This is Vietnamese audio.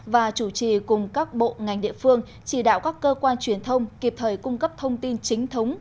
và chủ trì cùng các bộ ngành địa phương chỉ đạo các cơ quan truyền thông kịp thời cung cấp thông tin chính thống